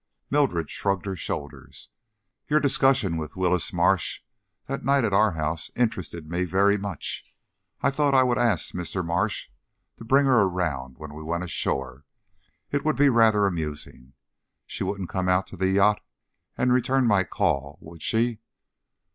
Mildred shrugged her shoulders. "Your discussion with Willis Marsh that night at our house interested me very much. I thought I would ask Mr. Marsh to bring her around when we went ashore. It would be rather amusing. She wouldn't come out to the yacht and return my call, would she?"